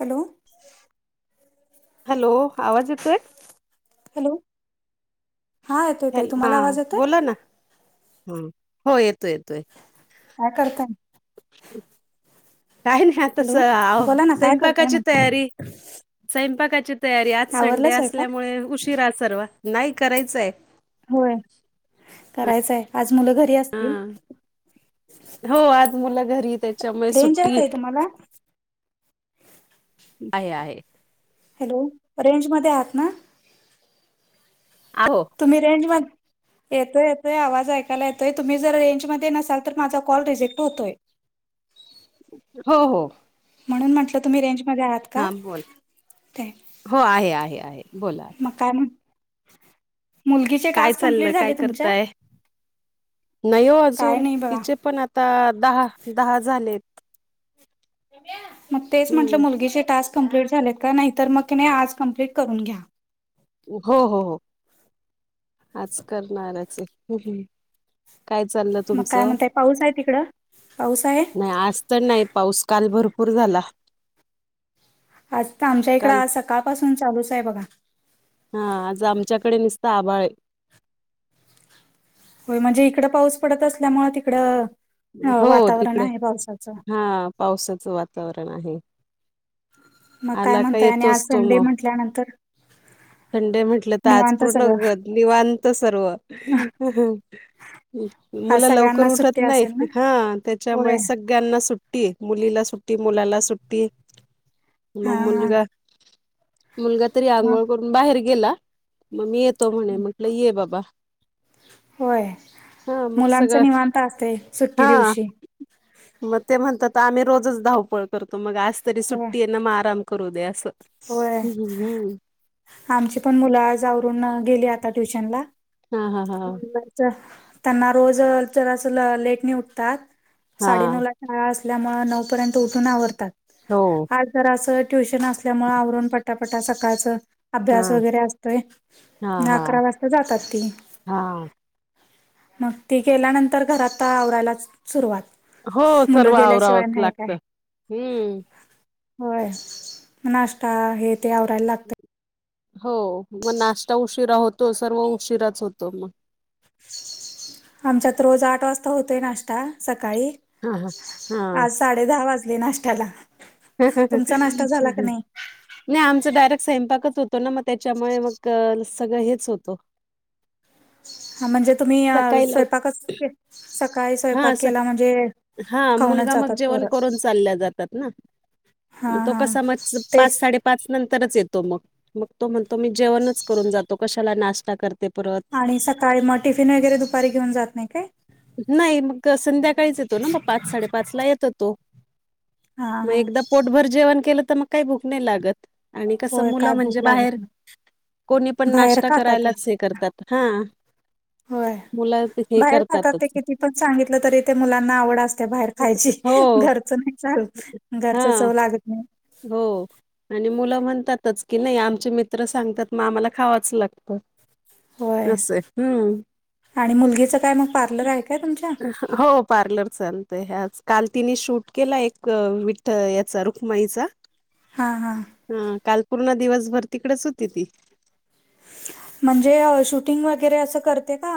Hello,, hello,, आवाज येतोय hello,, हा येतोय ताई,,, तुम्हाला आवाज येतोय? हम,, हो येतोय, येतोय, काय करताय? काही नाही आता स, हॅलो बोला ना काय करताय स्वयंपाकाची म्हटलं तयारीऽ स्वयंपाकाची तयारी,, आज आवरला संडे स्वयंपाक असल्यामुळे उशीिरा सर्व,, नाही करायचंयऽ होय,, करायचंय,, आज मुल घरीऽ असतील,,, हा हो आज मुलं घरी त्याच्यामुळे रेंज सुट्टी आहे ताई तुम्हाला? आहे आहे, हॅलो,, रेंज मध्ये आहात ना. आहो, ळ तुम्ही रेंज मधे,,, येतोय, येतोय आवाज ऐकायला येतोय, तुम्ही जर रेंजमध्ये नसालऽ तर माझा कॉल रिजेक्ट होतोय हो हो म्हणून म्हटलं तुम्ही रेंजमध्येध्ये आहात का हा बोल ते हो आहे आहे आहे बोला आता मग काय म्हण मुलगीचे काय टास्क चाललं कमप्लीट झाले तुमच्या नयो काय अजून नाही बघा तिचे पण आता दहा, दहा झालेत. मग तेच म्हंटलं हम्म मुलगीचे टास्क कंप्लीट झालेत का? नाहीतर मग नाही आज कम्प्लीट करून घ्या. हो, हो, हो आज करणार्याचेऽ काय चाललं मग काय तुमचं? म्हणताय पाऊस आहे तिकडं? पाऊस आहे? नाही असज तर नाही? पाऊस काल भरपूर झाला. आज तर आमच्या इकडं काल आज सकाळपासून चालूच आहे बघा.. हा,, आज आमच्याकडे नीसत आबाळेऽ होय म्हणजे इकडं पाऊस पडत असल्यामुळे तिकडंऽ हो तिकडे,, हा, पावसाचं वातावरण आहे. मग काय आला का म्हणताय? आणि आज येतोच तो संडे मग म्हटल्यानंतरऽ संडे म्हटलं तर आज पूर्ण सगळं. निवांत सर्वऽ आज मुला लवकर सगळ्यांना उठत सुट्टी नाही. असेल ना? हा, होय. त्याच्यामुळे सगळ्यांना सुट्टी,, मुलीला सुट्टी, मुलाला सुट्टी, हा मग हा मुलगा, मुलगा तरी मग आंघोळ करून बाहेर गेला,, मग मी येतऽ तो म्हणे, म्हटलं ये बाबा,, होय,, हा मग मुलांच सगळं निवांता असतयऽ हा, मग ते म्हणतात आम्ही रोजच धावपळ करतो,, मग आजऽ तरी होय. सुट्टीयना, ळ म आराम करू दे अस्ऽ होय. आमची पण मुलं आज आवरून गेली आता ट्युशनला. हा हा हा त्यांना रोज जरास लेटनं उठतात साडे नऊ हा ला. शाळा असल्यामुळे नऊ पर्यंत उठून आवरतात, हो आज जराअस ट्युशन आसल्या. त्यामुळे आवरून पटापटा सकाळचंऽ हा अभ्यास वगैरे असतोय, हा धा हा अकरा वाजता जातात ती. हा मग ती गेल्यानंतर घरात आवरायला सुरुवात, हो,, मुलं सर्व गेल्याशिवाय आवरावच नाही लागत काय हम्म. होय, नाष्टाहे ते आवरायला लाग. हो, मग नाश्ता उशिरा होतो सर्व उशिराच होतो मग, आमच्यात रोज आठ वाजता होतोय नाश्ता सकाळी. हा, हा, हा आज साडे दहा वाजले नाशयाला तुमचा नाश्ता झाला का नाही? नाही आमचं डायरेक्ट स्वयंपाकच होतो ना मग त्याच्यामुळे मग सगळं हेच होतं. हा म्हणजे तुम्ही सकाळी लव स्वयंपाकचच हा हा खाऊनच मुलगा मग जातात जेवण पोरं करून चालल्या जातात ना. हा मग तो हा कस म पाच तेच साडे पाच नंतरच येतो मग मग तो म्हणतो मी जेवणच करून जातो कशाला नाश्ता करते परत आणि सकाळी मग टिफिन वगैरे दुपारी घेऊन जात नाही काय नाही मग संध्याकाळीच येतो ना मग पाच साडेपाच ला येतो तो. हा मग हा एकदा पोटभर जेवण केलं तर मग काही भूक नाही लागत. आणि कसं होय मुलं काय भूक म्हणजे लागत बाहेर नाही कोणी पण बाहेर नाश्ता करायलाच खातातच हे करतात हा. होय मुलं हे बाहेर खातात ते करतातच. किती पण सांगितलं तरी ते मुलांना आवड असते बाहेर खायची हो घरचं नाही चालू हा घरचा चव लागत नाही. हो. आणि मुलं म्हणतातच की नाही आमचे मित्र सांगतात मग आम्हाला खावाचं लागतं. होय असं हम्म. आणि मुलगीचं काय मग पार्लर आहे काय तुमच्या हो पार्लर चालतय आज काल तिने शूट केला एक विठ याचा रुखमाईचा हां, हां. हम, काल पूर्ण दिवसभर तिकडेच होती ती. म्हणजे अं, शूटिंग वगैरे असं करते का?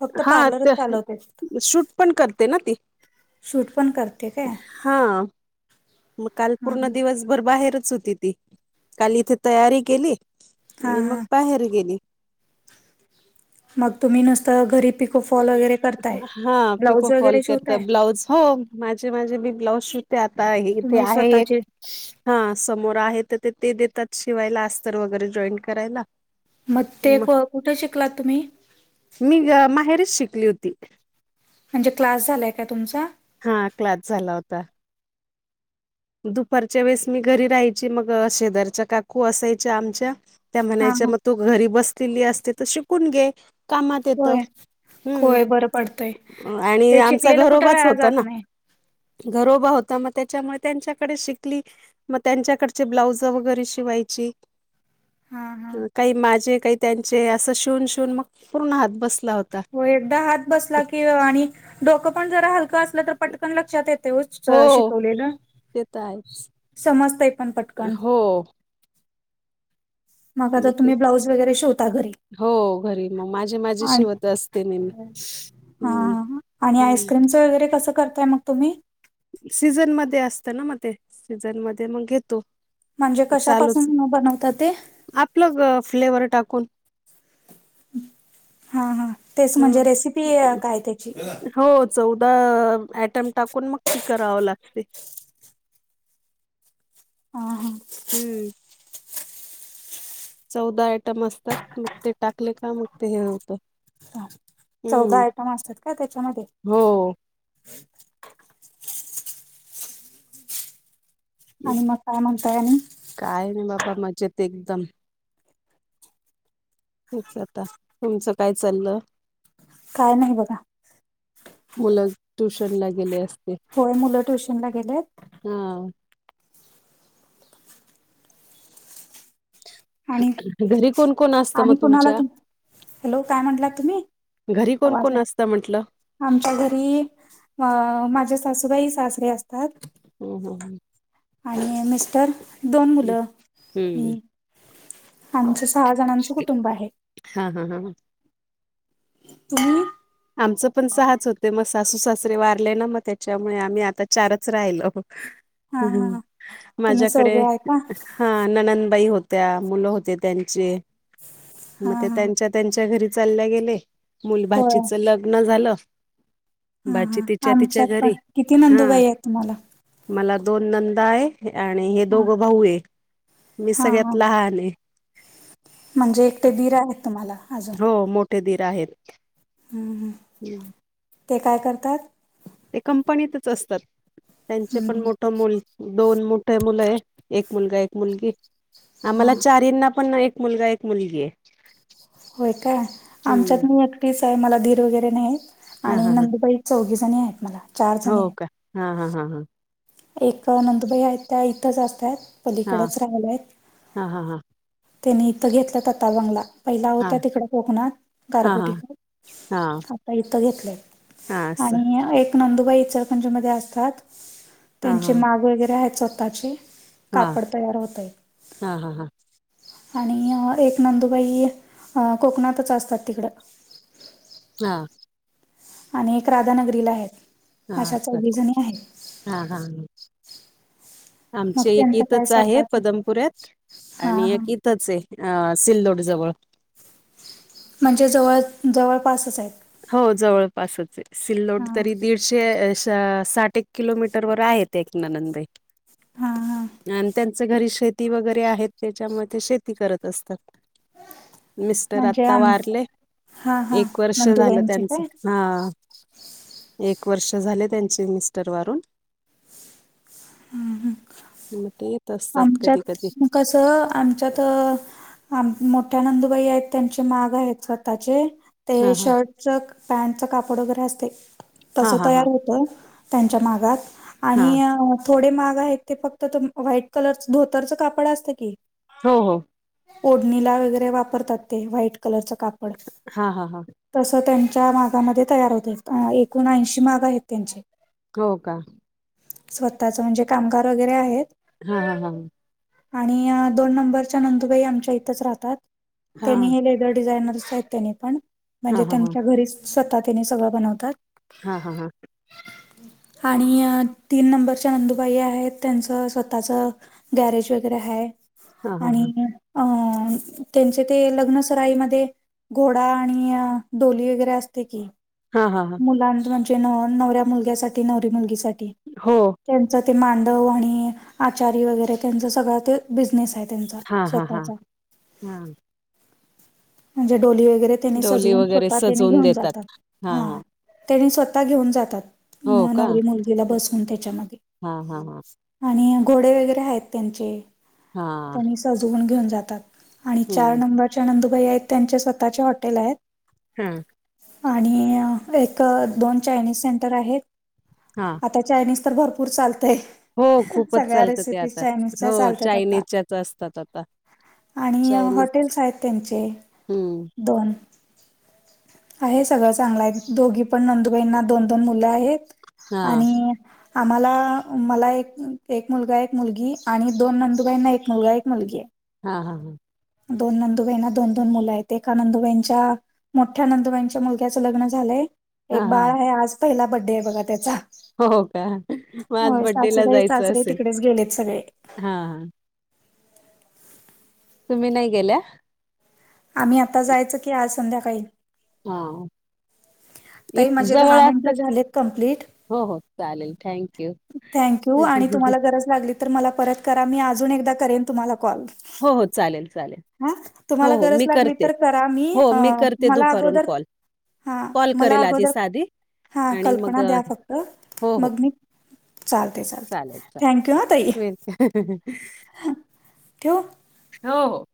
फक्त हा पार्लरच चालवते. शूट पण करते ना ती. सूट पण करते काय? हा मग काल पूर्ण हां. दिवस. भर बाहेरच होती ती काल इथे तयारी केली आणि हां, मग हां. बाहेर गेली. मग तुम्ही नुसतं घरी पिक हा पिको कॉल वगैरे करत शिवताय? ब्लाउज हो. माझे माझे मी ब्लाऊज शधते आता इथे तुम्ही आहे एक स्वतःचे हा समोर आहे तर ते ते देतात शिवायला अस्तर वगैरे जॉईन करायला. मग ते कुठे शिकलात तुम्ही मी माहेरच शिकली होती. म्हणजे क्लास झालाय का तुमचा हा क्लास झाला होता. दुपारच्या वेळेस मी घरी राहायची मग शेजारच्या काकू असायच्या आमच्या त्या हां, म्हणायच्या हां. मग तू घरी बसलेली असते तर शिकून घे कामात येतं. होय. हम्म होय बरं पडतय आणि ते आमचा शिकलेलं कुठे घरोबाच वेळा होता जात ना नाही. घरोबा होता मग त्याच्यामुळे त्यांच्याकडे शिकली मग त्यांच्याकडचे ब्लाउज वगैरे शिवायची. हां, हां. काही माझे काही त्यांचे असं शिवून शिवून मग पूर्ण हात बसला होता. हो एकदा हात बसला कि आणि डोकं पण जर हलकं असलं तर पटकन लक्षात येत. तेवच शिकवलेलं. टाच [inaudible] समस्त हो मग आता तुम्ही ब्लाऊज वगैरे शवता घरी हो घरी मग माझे माझे आणि शिवत असते ने हम्. हां, हां. आणि आईस्क्रीमचं वगैरे कसं करतय मग तुम्ही सीझन मध्ये असत ना मग ते सीझन मध्ये मग घेतो. म्हणजे कशापासून बनवतात ते आपल फ्लेवर टाकून. हा हा तेच ह म्हणजे रेसिपी काय त्याची हो चौदा अऍटम टाकून मग ती कराव लागते. ह हा हम्म चौदा आयटम असतात मग ते टाकले का मग ते हे होतं. ह चौदा हम्म आयटम असतात का त्याच्यामध्ये हो आणि मग काय म्हणताय आणि काय नाही बाबा मजेत एकदम हेच आता तुमचं काय चाललं. काय नाही बघा. मुलं ट्युशन ला गेले असते. होय मुलं ट्युशन ला गेलेत. हा आणि घरी कोण कोण असतं मग आणि कुणाला तुमच्या तुम हॅलो काय म्हटलात तुम्ही? घरी कोण आवाज कोण आहे. असत म्हंटलं. आमच्या घरी अ माझ्या सासूबाई सासरे असतात. हम् हम् हम् आणि मिस्टर दोन मुलं मी हम्म आमचं सहा जणांचं कुटुंब आहे. हा हा हा हा आमचं पण सहाच होते मग सासू सासरे वारले ना मग त्याच्यामुळे आम्ही आता चारच राहिलो. हां, हम हां. तुम्ही माझ्याकडे चौघे आहे का? हा ननंदबाई होत्या मुलं होते त्यांचे मग हां, ते हां. त्यांच्या त्यांच्या घरी चालल्या गेले होय मुलीचं लग्न झालं. हा बाची हा तिच्या तिच्या आमच्यात पण घरी किती हा नंदुबाई आहेत तुम्हाला मला दोन नंदा आहे आणि हे हा दोघ भाऊ आहे मी हा सगळ्यात लहान आहे. म्हणजे एकटे बीर आहेत तुम्हाला अजून हो मोठे दीर आहेत. हम्म हम् ते काय करतात. ते कंपनीतच असतात त्यांचे हम्म, पण हम्म. मोठ मोल दोन मोठे मुलं आहे एक मुलगा एक मुलगी. हा आम्हाला चारंना पण एक मुलगा एक मुलगी आहे. होय काय आमच्यात हम्म. मी एकटीच आहे मला दीर वगैरे नाहीत हा, आणि हा, हा. नंदुबाई चौघ जणी आहेत मला चार हो जणी आहेत का हा हा हा हां. एक नंदुबाई आहेत त्या इथंच असतात पलीकडेच राहिल्या आहेत. हा हा हा त्यांनी इथं घेतलं त आाता बंगला पहिल्या होत्या हां. तिकडे कोकण हां, हां. गारगोटीिक हां. आता इथं घेतलंय हां, असं. आणि एक नंदुबाई इचरलकरंजी मध्ये असतात हां, त्यांचे हां. माग वगैरे आहेत स्वतःचे कापड तयार होतय हा हा हां आणि एक नंदुबाई कोकणातच असतात तिकडं हा आणि एक राधानगरीला आहेत अशा हाछ चौघीजणी आहेत हा हा ह मग आमचे त्यांचं काय एकतच आहे स्वतःचं पदमपुऱ्यात हां आणि हां एक आहे सिल्लोड जवळ म्हणजे जवळ जवळपासच आहेत हो जवळपासच आहे सिल्लोड हां तरी दीडशे साठ एक किलोमीटर वर आहेत ननंदन हां हां ब घरी शेती वगैरे आहेत त्याच्यामध्ये ते शेती करत असतात मिस्टर म्हणजे आता आम वारले हां हां एक वर्ष झालं नंदुबाईंचे काय हा एक वर्ष झाले त्यां मिस्टर वारून हं हं मग ते असतात कधी कधी आमच्यात कस आमच्यात आम मोठ्या नंदुबाई आहेत त्यांचे माग आहेत स्वतःचे ते हा हा शर्टच पॅन्टच कापड वगैरे असते तस हा हा हा तयार होत त्यांच्या मागात हा आणि थोडे माग आहेत ते फक्त त वाईट कलरच धोतरचं कापड असतं की हो हो ओढणीला वगैरे वापरतात ते व्हाईट कलरचं कापड हा हा हा तसं त्यांच्या मागामध्ये तयार होत एकूण ऐंशी माग आहेत त्यांचे हो का स्वतःच म्हणजे कामगार वगैरे आहेत हा हा आणि दोन नंबरच्या नंदुबाई आमच्या इथच राहतात हा त्यांनी हे डिझायनरस आहेत त्यानी पण हा म्हणजे हा त्यांच्या घरी स्वतः त्यांनी सगळं बनवतात हा हा हा आणि तीन नंबरच्या नंदुबाई आहेत त्यांचं स्वतःच गॅरेज वगैरे ह हा हा हा आणि अ त्यांचे ते लग्नसराईमध्ये घोडा आणि डोली वगैरे असते की हा हा हा मुलां म्हणजे न नवऱ्या मुलग्यासाठीठी नवरी मुलगीसाठी हो त्यांच ते मांडव आणि आचारी वगैरे त्यांच सगळं ते बिझनेस आहेत हा हा हा स्वतः हा म्हणजे डोली वगरे त्यानी डोली सजवून वगैरे स्वतः त्यानी सजवून घेऊन देतात जातात हा त्यानी स्वतः घेऊन जातात हो म का नवरी मुलगीला बसून त्याच्यामध्ये हा हा हा आणि घोडे वगैरे आहेत त्यांचे हा त्यांनी सजवून घेऊन जातात आणि चार हम्म नंबरच्या नंदुभई आहेत त्यांचे स्वतःचे हॉटेल आहेत हा आणि एक दोन चायनीज सेंटर आहेत हां आता चायनीज तर भरपूर चालतंय हो खूपच चालतं ते आता हो चालतात आता चायनीजच्याच असतात आता. आणि चायनीज हॉटेल्स आहेत त्यांचे. हम्म. दोन आहे सगळं चांगलं आहे दोघी पण नंदुबाईंना दोन दोन मुलं आहेत हा आणि - आम्हाला मला एक एक मुलगा एक मुलगी आणि दोन नंदूबाईंना एक मुलगा एक मुलगी हाय. हा हा हा. दोन नंदूबाईंना दोन दोन मुलं आहेत एका नंदुबाईंच्या मोठ्या नंदुबाईच्या मुलग्याचं लग्न झालंय हा एक हा बाळ आहे आज पहिला बड्डे आहे बघा त्याचा. हो का मग आज होय बड्डेला सासूबाई जायचं सासरे असेल तिकडेच गेलेत सगळे. हा हा. तुम्ही नाही गेल्या? आम्ही आता जायचं की आज संध्याकाळी. हा. इ ताई माझे जवळ दहा मिनट असलं झालेत कंप्लीट. हो हो चालेल थँक् थँक्यू आणि तुम्हाला गरज लागली तर मला परत करा मी अजून एकदा करेन तुम्हाला कॉल. हो हो चालेल चालेल. हा हो तुम्हाला हो गरज मी लागली करते तर करा हो अ मी करते मला दुपारून अगोदर कॉल. हां कॉल मला करेल आधी अगोदर साधी हां आणि मग कल्पना द्या फक्त हो हो. मग मी चालते चाल चालेल चालेल वे ठेवू? हो हो.